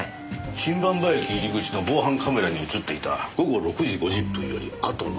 新馬場駅入り口の防犯カメラに映っていた午後６時５０分よりあとの。